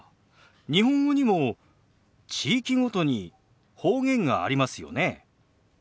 日本語にも地域ごとに方言がありますよね。